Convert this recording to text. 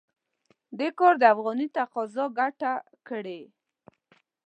دې کار د افغانۍ تقاضا کمه کړې.